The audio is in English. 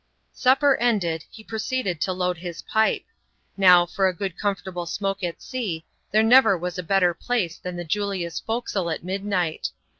Supper ended, he proceeded to load his pipe. Now, for a good comfortable smoke at sea, there never was a better place than the Julia's forecastle at midnight.